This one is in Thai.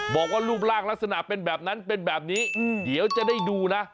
บอกว่ารูปร่างลักษณะเป็นแบบนั้นเป็นแบบนี้เดี๋ยวจะได้ดูนะ